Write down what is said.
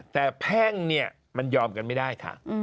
แต่แพ่งเนี่ยมันยอมกันไม่ได้ค่ะ